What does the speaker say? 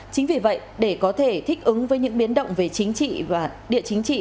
chính vì vậy để có thể thích ứng với những biến động về chính trị và địa chính trị